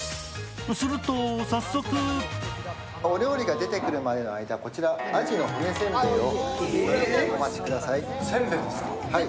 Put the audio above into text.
すると、早速お料理が出てくるまでの間、こちら、アジの骨せんべいを。